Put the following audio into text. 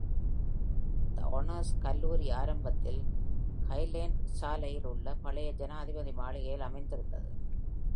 The Honors கல்லூரி ஆரம்பத்தில் highland சாலையில் உள்ள பழைய ஜனாதிபதி மாளிகையில் அமைந்திருந்தது.